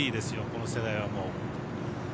この世代は。